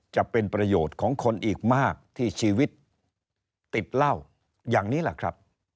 จะเป็นประโยชน์ของคนอีกมากที่ชีวิตติดเหล้าอย่างนี้แหละครับ